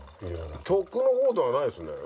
曲の方ではないですね。